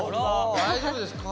大丈夫ですか。